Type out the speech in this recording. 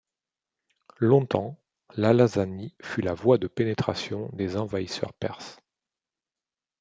Longtemps, l'Alazani fut la voie de pénétration des envahisseurs perses.